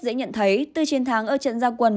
dễ nhận thấy từ chiến thắng ở trận gia quân